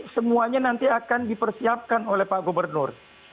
semuanya nanti akan dipersiapkan oleh pak gubernur